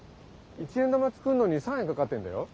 一円玉作るのに３円かかってんだよ？